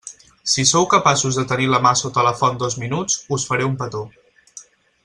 Si sou capaços de tenir la mà sota la font dos minuts, us faré un petó.